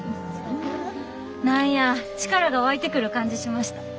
何や力が湧いてくる感じしました。